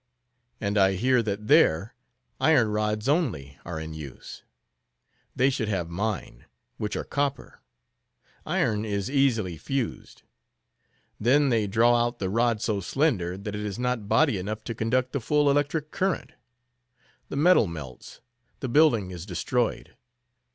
And I hear that there, iron rods only are in use. They should have mine, which are copper. Iron is easily fused. Then they draw out the rod so slender, that it has not body enough to conduct the full electric current. The metal melts; the building is destroyed.